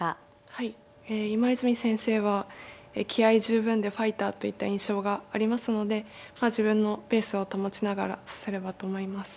はいえ今泉先生は気合い十分でファイターといった印象がありますのでまあ自分のペースを保ちながら指せればと思います。